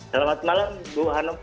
selamat malam bu hanom